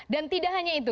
dan tidak hanya itu